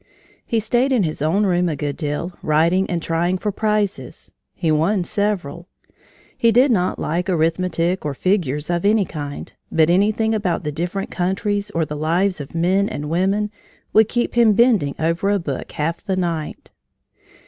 He stayed in his own room a good deal, writing and trying for prizes. He won several. He did not like arithmetic or figures of any kind, but anything about the different countries or the lives of men and women would keep him bending over a book half the night.